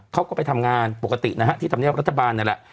เขาก็ไปทำงานปกตินะฮะที่ทำแนวรัฐบาลนั้นแหละ